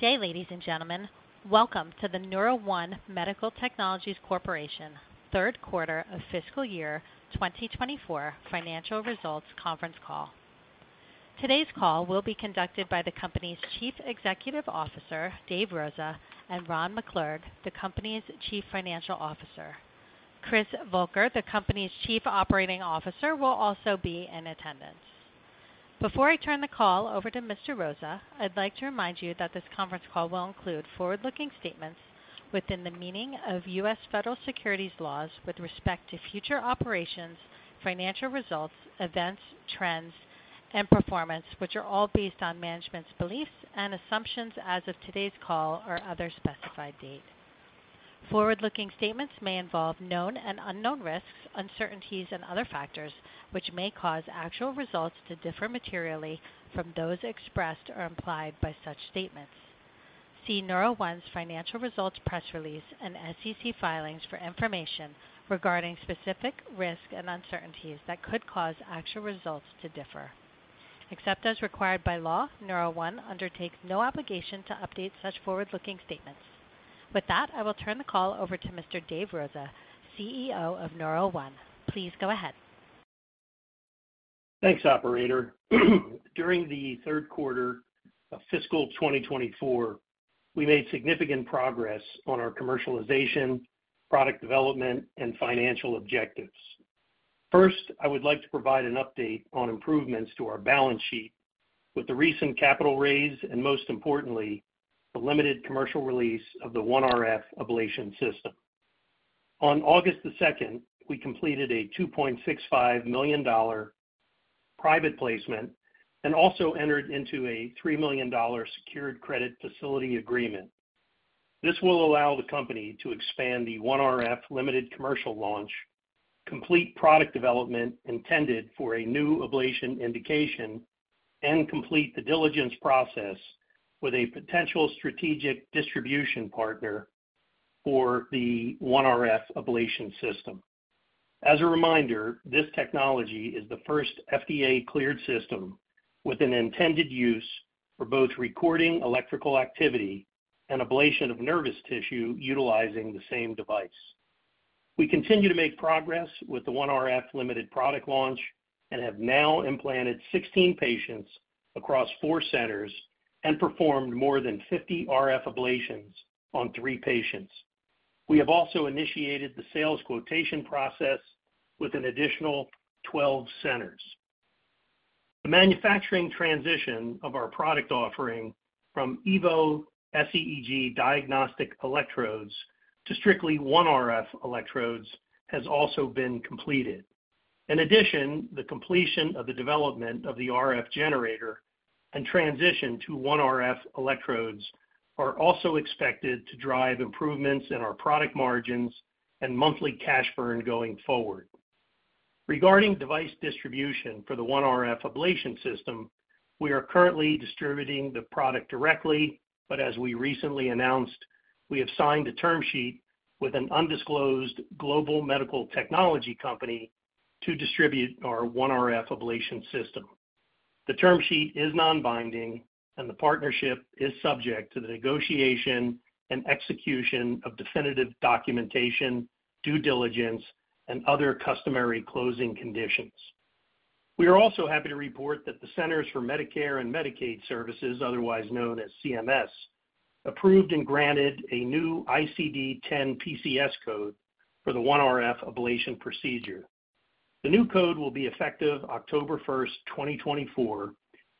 Good day, ladies and gentlemen. Welcome to the NeuroOne Medical Technologies Corporation third quarter of fiscal year 2024 financial results conference call. Today's call will be conducted by the company's Chief Executive Officer, Dave Rosa, and Ron McClurg, the company's Chief Financial Officer. Chris Volker, the company's Chief Operating Officer, will also be in attendance. Before I turn the call over to Mr. Rosa, I'd like to remind you that this conference call will include forward-looking statements within the meaning of U.S. Federal Securities laws with respect to future operations, financial results, events, trends, and performance, which are all based on management's beliefs and assumptions as of today's call or other specified date. Forward-looking statements may involve known and unknown risks, uncertainties, and other factors, which may cause actual results to differ materially from those expressed or implied by such statements. See NeuroOne's financial results, press release, and SEC filings for information regarding specific risks and uncertainties that could cause actual results to differ. Except as required by law, NeuroOne undertakes no obligation to update such forward-looking statements. With that, I will turn the call over to Mr. Dave Rosa, CEO of NeuroOne. Please go ahead. Thanks, operator. During the third quarter of fiscal 2024, we made significant progress on our commercialization, product development, and financial objectives. First, I would like to provide an update on improvements to our balance sheet with the recent capital raise and most importantly, the limited commercial release of the OneRF Ablation System. On August 2, we completed a $2.65 million private placement and also entered into a $3 million secured credit facility agreement. This will allow the company to expand the OneRF limited commercial launch, complete product development intended for a new ablation indication, and complete the diligence process with a potential strategic distribution partner for the OneRF Ablation System. As a reminder, this technology is the first FDA-cleared system with an intended use for both recording electrical activity and ablation of nervous tissue utilizing the same device. We continue to make progress with the OneRF limited product launch and have now implanted 16 patients across 4 centers and performed more than 50 RF ablations on 3 patients. We have also initiated the sales quotation process with an additional 12 centers. The manufacturing transition of our product offering from Evo sEEG diagnostic electrodes to strictly OneRF electrodes has also been completed. In addition, the completion of the development of the RF generator and transition to OneRF electrodes are also expected to drive improvements in our product margins and monthly cash burn going forward. Regarding device distribution for the OneRF Ablation System, we are currently distributing the product directly, but as we recently announced, we have signed a term sheet with an undisclosed global medical technology company to distribute our OneRF Ablation System. The term sheet is non-binding, and the partnership is subject to the negotiation and execution of definitive documentation, due diligence, and other customary closing conditions. We are also happy to report that the Centers for Medicare and Medicaid Services, otherwise known as CMS, approved and granted a new ICD-10-PCS code for the OneRF ablation procedure. The new code will be effective October 1, 2024,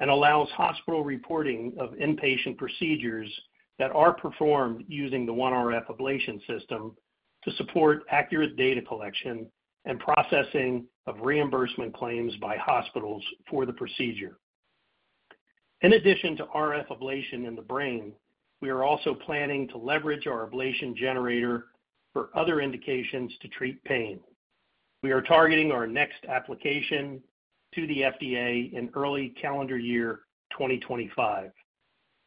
and allows hospital reporting of inpatient procedures that are performed using the OneRF Ablation System to support accurate data collection and processing of reimbursement claims by hospitals for the procedure. In addition to RF ablation in the brain, we are also planning to leverage our ablation generator for other indications to treat pain. We are targeting our next application to the FDA in early calendar year 2025.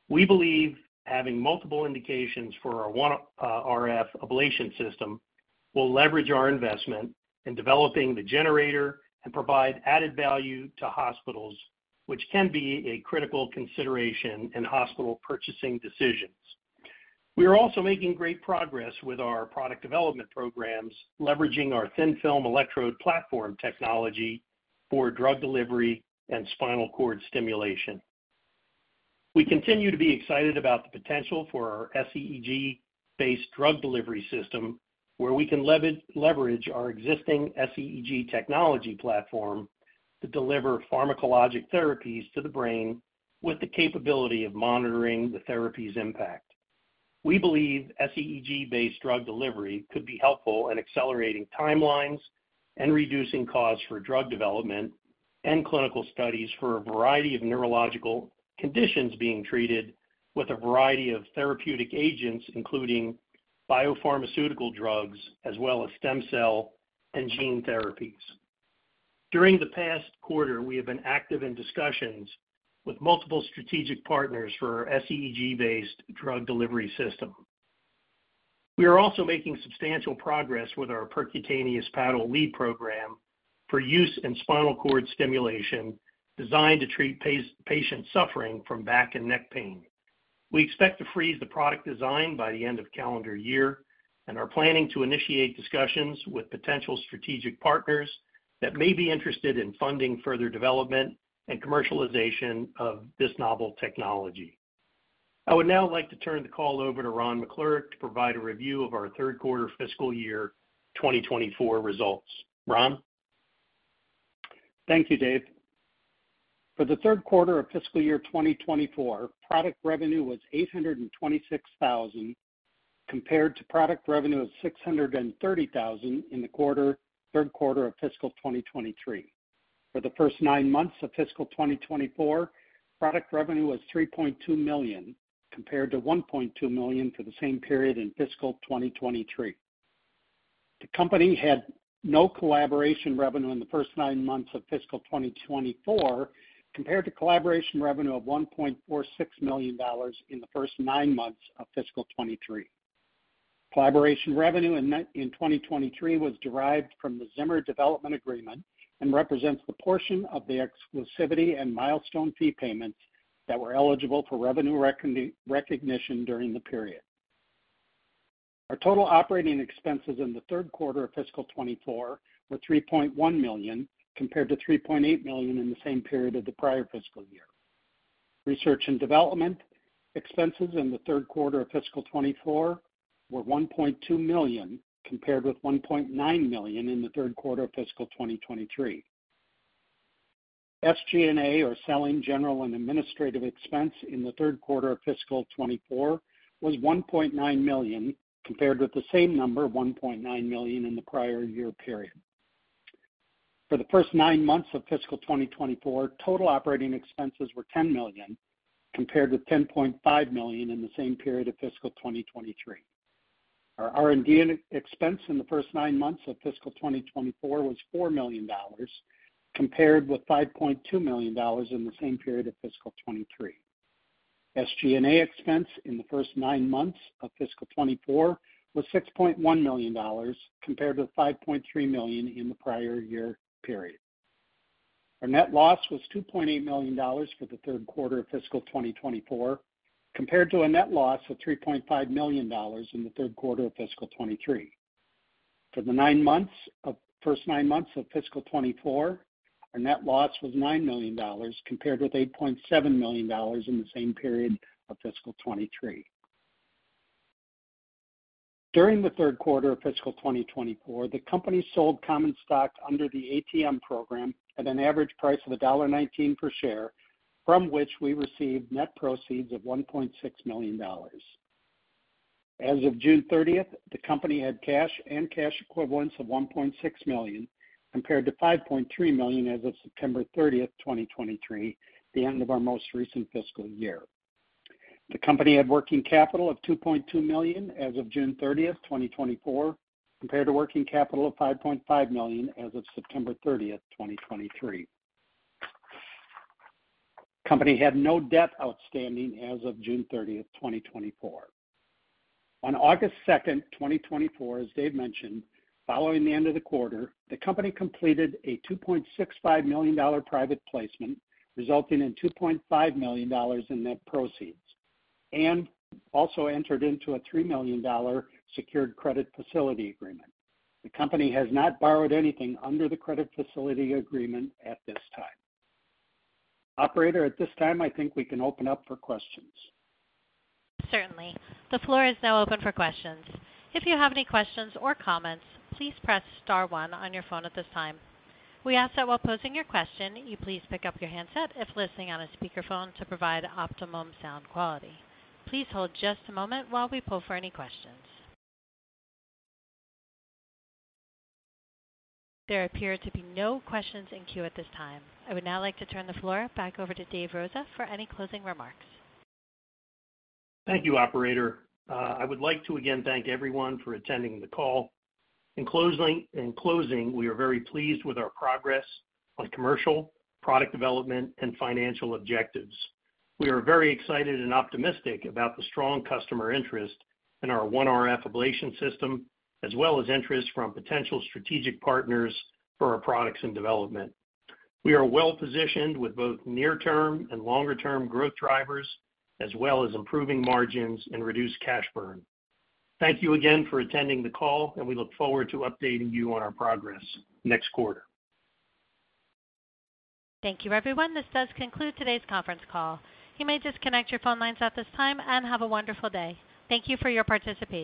We believe having multiple indications for our OneRF Ablation System will leverage our investment in developing the generator and provide added value to hospitals, which can be a critical consideration in hospital purchasing decisions. We are also making great progress with our product development programs, leveraging our thin film electrode platform technology for drug delivery and spinal cord stimulation. We continue to be excited about the potential for our sEEG-based drug delivery system, where we can leverage our existing sEEG technology platform to deliver pharmacologic therapies to the brain with the capability of monitoring the therapy's impact. We believe sEEG-based drug delivery could be helpful in accelerating timelines and reducing costs for drug development and clinical studies for a variety of neurological conditions being treated with a variety of therapeutic agents, including biopharmaceutical drugs, as well as stem cell and gene therapies. During the past quarter, we have been active in discussions with multiple strategic partners for our sEEG-based drug delivery system. We are also making substantial progress with our percutaneous paddle lead program for use in spinal cord stimulation, designed to treat patients suffering from back and neck pain. We expect to freeze the product design by the end of calendar year, and are planning to initiate discussions with potential strategic partners that may be interested in funding further development and commercialization of this novel technology. I would now like to turn the call over to Ron McClurg to provide a review of our third quarter fiscal year 2024 results. Ron? Thank you, Dave. For the third quarter of fiscal year 2024, product revenue was $826,000, compared to product revenue of $630,000 in the third quarter of fiscal 2023. For the first nine months of fiscal 2024, product revenue was $3.2 million, compared to $1.2 million for the same period in fiscal 2023. The company had no collaboration revenue in the first nine months of fiscal 2024, compared to collaboration revenue of $1.46 million in the first nine months of fiscal 2023. Collaboration revenue in 2023 was derived from the Zimmer development agreement and represents the portion of the exclusivity and milestone fee payments that were eligible for revenue recognition during the period. Our total operating expenses in the third quarter of fiscal 2024 were $3.1 million, compared to $3.8 million in the same period of the prior fiscal year. Research and development expenses in the third quarter of fiscal 2024 were $1.2 million, compared with $1.9 million in the third quarter of fiscal 2023. SG&A, or selling, general, and administrative expense, in the third quarter of fiscal 2024 was $1.9 million, compared with the same number, $1.9 million, in the prior year period. For the first nine months of fiscal 2024, total operating expenses were $10 million, compared with $10.5 million in the same period of fiscal 2023. Our R&D expense in the first nine months of fiscal 2024 was $4 million, compared with $5.2 million in the same period of fiscal 2023. SG&A expense in the first nine months of fiscal 2024 was $6.1 million, compared with $5.3 million in the prior year period. Our net loss was $2.8 million for the third quarter of fiscal 2024, compared to a net loss of $3.5 million in the third quarter of fiscal 2023. For the first nine months of fiscal 2024, our net loss was $9 million, compared with $8.7 million in the same period of fiscal 2023. During the third quarter of fiscal 2024, the company sold common stock under the ATM program at an average price of $1.19 per share, from which we received net proceeds of $1.6 million. As of June 30, the company had cash and cash equivalents of $1.6 million, compared to $5.3 million as of September 30, 2023, the end of our most recent fiscal year. The company had working capital of $2.2 million as of June 30, 2024, compared to working capital of $5.5 million as of September 30, 2023. The company had no debt outstanding as of June 30, 2024. On August second, 2024, as Dave mentioned, following the end of the quarter, the company completed a $2.65 million private placement, resulting in $2.5 million in net proceeds, and also entered into a $3 million secured credit facility agreement. The company has not borrowed anything under the credit facility agreement at this time. Operator, at this time, I think we can open up for questions. Certainly. The floor is now open for questions. If you have any questions or comments, please press star one on your phone at this time. We ask that while posing your question, you please pick up your handset if listening on a speakerphone, to provide optimum sound quality. Please hold just a moment while we poll for any questions. There appear to be no questions in queue at this time. I would now like to turn the floor back over to Dave Rosa for any closing remarks. Thank you, operator. I would like to again thank everyone for attending the call. In closing, we are very pleased with our progress on commercial, product development, and financial objectives. We are very excited and optimistic about the strong customer interest in our OneRF ablation system, as well as interest from potential strategic partners for our products in development. We are well positioned with both near-term and longer-term growth drivers, as well as improving margins and reduced cash burn. Thank you again for attending the call, and we look forward to updating you on our progress next quarter. Thank you, everyone. This does conclude today's conference call. You may disconnect your phone lines at this time, and have a wonderful day. Thank you for your participation.